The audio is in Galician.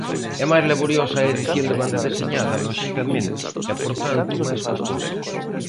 É máis laboriosa a edición de banda deseñada, loxicamente, e por tanto, máis custosa.